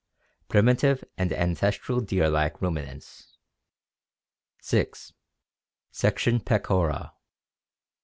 Primitive and ancestral deer like rumi nants. (6) Section Pecora.